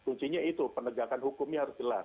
kuncinya itu penegakan hukumnya harus jelas